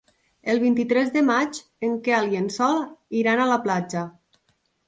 El vint-i-tres de maig en Quel i en Sol iran a la platja.